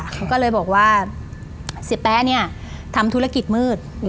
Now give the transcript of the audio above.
เขาก็เลยบอกว่าเสียแป๊ะเนี่ยทำธุรกิจมืด